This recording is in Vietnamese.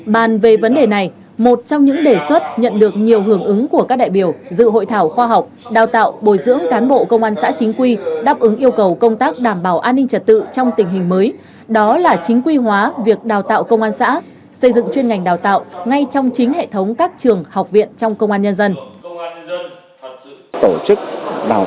bàn về vấn đề này một trong những đề xuất nhận được nhiều hưởng ứng của các đại biểu dự hội thảo khoa học đào tạo bồi dưỡng cán bộ công an xã chính quy đáp ứng yêu cầu công tác đảm bảo an ninh trật tự trong tình hình mới đó là chính quy hóa việc đào tạo công an xã xây dựng chuyên ngành đào tạo ngay trong chính hệ thống các trường học viện trong công an nhân dân